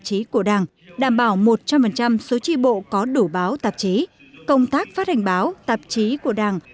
chí của đảng đảm bảo một trăm linh số tri bộ có đủ báo tạp chí công tác phát hành báo tạp chí của đảng